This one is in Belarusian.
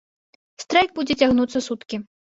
Страйк будзе цягнуцца суткі.